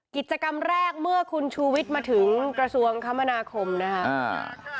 กิจกรรมแรกเมื่อคุณชูวิทย์มาถึงกระทรวงคมนาคมนะครับ